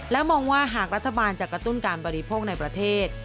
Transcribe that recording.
และมองว่าหากรัฐบาลจะกระตุ้นการบริโภคในประเทศ